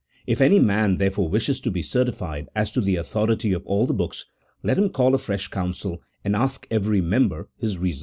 If any man, therefore, wishes to be certified as to the authority of all the books, let him call a fresh council, and ask every member his reasons.